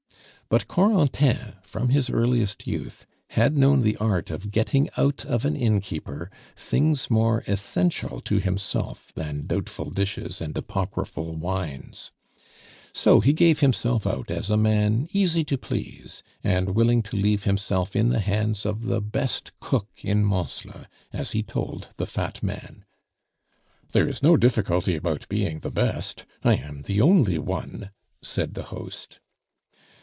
But Corentin, from his earliest youth, had known the art of getting out of an innkeeper things more essential to himself than doubtful dishes and apocryphal wines. So he gave himself out as a man easy to please, and willing to leave himself in the hands of the best cook in Mansle, as he told the fat man. "There is no difficulty about being the best I am the only one," said the host.